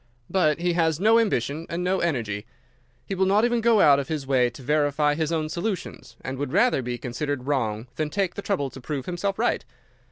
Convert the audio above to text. But he has no ambition and no energy. He will not even go out of his way to verify his own solutions, and would rather be considered wrong than take the trouble to prove himself right.